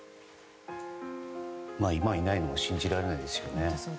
今、いないのが信じられないですよね。